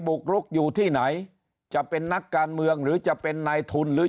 กรุกอยู่ที่ไหนจะเป็นนักการเมืองหรือจะเป็นนายทุนหรือ